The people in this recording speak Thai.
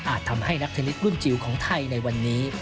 ทำให้นักเทนนิสรุ่นจิ๋วของไทยในวันนี้